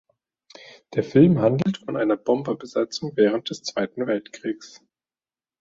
Der Film handelt von einer Bomber-Besatzung während des Zweiten Weltkrieges.